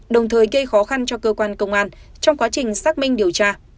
đồng thời gây khó khăn cho cơ quan công an trong quá trình xác minh điều tra